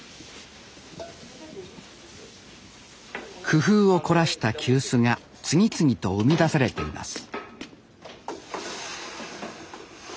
工夫を凝らした急須が次々と生み出されています。